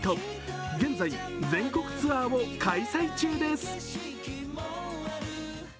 現在、全国ツアーを開催中です。